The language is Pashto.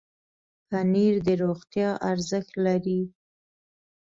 پنېر د روغتیا ارزښت لري.